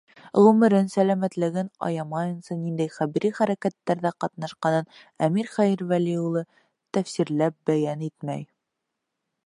Ғүмерен, сәләмәтлеген аямайынса, ниндәй хәрби хәрәкәттәрҙә ҡатнашҡанын Әмир Хәйервәли улы тәфсирләп бәйән итмәй.